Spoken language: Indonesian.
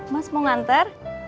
mas mau nganter